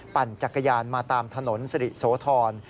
ปั่นจักรยานมาตามถนนสิริโสธร